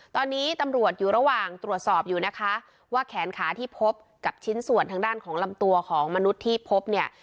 ตอนนี้ตำรวจอยู่ระหว่างตรวจสอบอยู่นะคะว่าแขนขาที่พบกับชิ้นส่วนทางด้านของลำตัวของมนุษย์ที่พบเนี่ย